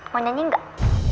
mau nyanyi enggak